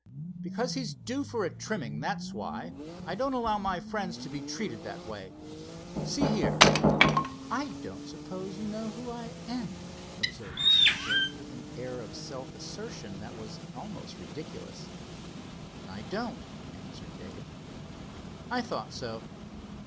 "Because he's due for a trimming, that's why. I don't allow my friends to be treated that way. See here, I don't suppose you know who I am," observed the speaker, with an air of self assertion that was almost ridiculous. "I don't," answered Dave. "I thought so.